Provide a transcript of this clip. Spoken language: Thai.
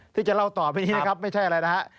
ที่จะเล่าต่อไปนี้นะครับไม่ใช่อะไรนะฮะ